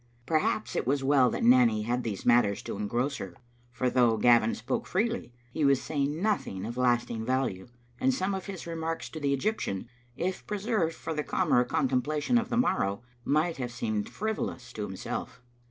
Perhaps it was well that Nanny had these matters to engross her, for though Gavin spoke freely, he was say ing nothing of lasting value, and some of his remarks to the Eg)rptian, if preserved for the calmer contempla tion of the morrow, might have seemed frivolous to himself.